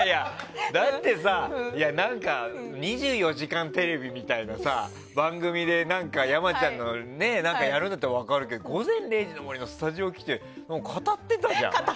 だってさ「２４時間テレビ」みたいな番組で、山ちゃんが何かやるなら分かるけど「午前０時の森」のスタジオ来て語ってる。